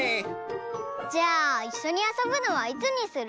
じゃあいっしょにあそぶのはいつにする？